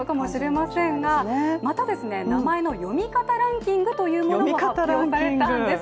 また名前の読み方ランキングというものも発表されたんです。